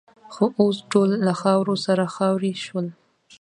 خو اوس ټول له خاورو سره خاوروې شول.